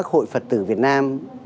các hội phật tử việt nam